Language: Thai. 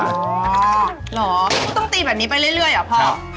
เหรอต้องตีแบบนี้ไปเรื่อยเหรอพ่อ